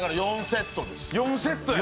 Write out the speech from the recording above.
４セットや。